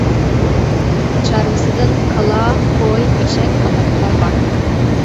چارۋىسىدىن كالا، قوي، ئېشەك قاتارلىقلار بار.